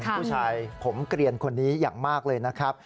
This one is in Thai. ผู้ชายผมเกลียนคนนี้อย่างมากเลยนะครับ